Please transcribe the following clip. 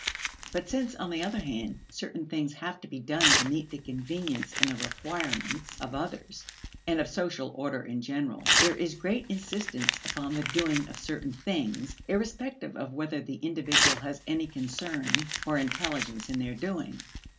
But since, on the other hand, certain things have to be done to meet the convenience and the requirements of others, and of social order in general, there is great insistence upon the doing of certain things, irrespective of whether the individual has any concern or intelligence in their doing.